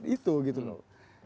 itu gitu loh